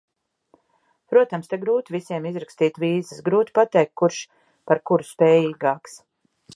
Protams, te grūti visiem izrakstīt vīzas, grūti pateikt, kurš par kuru spējīgāks.